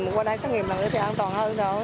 mình qua đây xét nghiệm thì an toàn hơn rồi